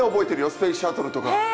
スペースシャトルとか。